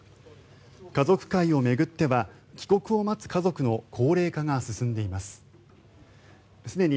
家族会を巡っては帰国を待つ家族の高齢化が進んでいます。